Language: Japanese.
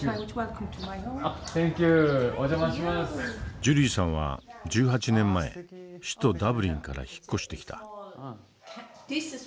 ジュリーさんは１８年前首都ダブリンから引っ越してきた。